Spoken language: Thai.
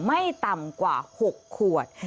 ไม่ต่ำกว่า๖ขวด